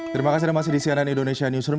terima kasih anda masih di cnn indonesia newsroom